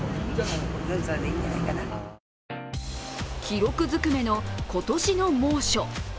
記録ずくめの今年の猛暑。